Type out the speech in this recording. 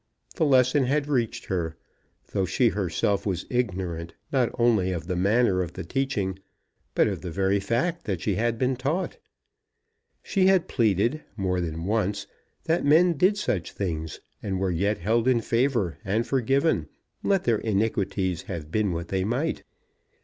The lesson had reached her, though she herself was ignorant not only of the manner of the teaching, but of the very fact that she had been taught. She had pleaded, more than once, that men did such things, and were yet held in favour and forgiven, let their iniquities have been what they might.